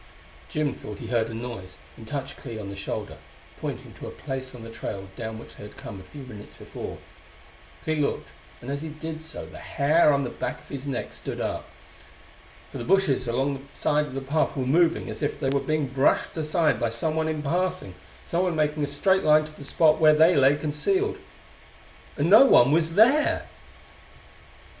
Jim thought he heard a noise, and touched Clee on the shoulder, pointing to a place on the trail down which they had come a few minutes before. Clee looked, and as he did so the hair on the back of his neck stood up. For the bushes along the side of the path were moving as if they were being brushed aside by someone in passing someone making a straight line to the spot where they lay concealed. And no one was there!